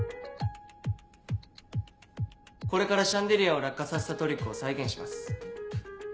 これからシャンデリアを落下させたトリックを再現します。